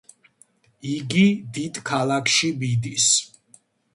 იგი დიდ ქალაქში მიდის.